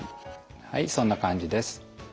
はいそんな感じです。